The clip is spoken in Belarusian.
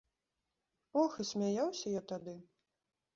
Ох, і смяяўся я тады!